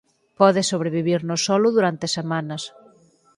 Pode sobrevivir no solo durante semanas.